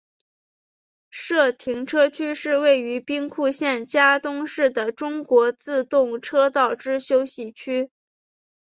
社停车区是位于兵库县加东市的中国自动车道之休息区。